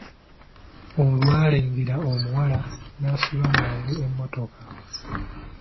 Olwalengera omuwala n'asiba mangu emmotoka.